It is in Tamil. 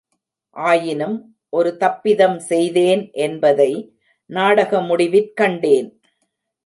ஆயினும், ஒரு தப்பிதம் செய்தேன் என்பதை நாடக முடிவிற் கண்டேன்.